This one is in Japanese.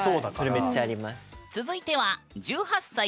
それめっちゃあります。